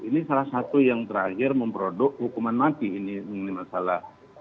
ini salah satu yang terakhir memproduk hukuman mati ini mengenai masalah